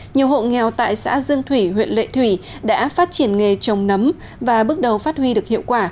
nhiều hộ nghèo tại xã dương thủy huyện lệ thủy đã phát triển nghề trồng nấm và bước đầu phát huy được hiệu quả